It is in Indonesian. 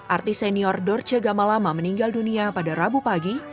artis senior dorce gamalama meninggal dunia pada rabu pagi